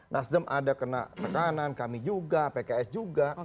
nasdem ada kena tekanan kami juga pks juga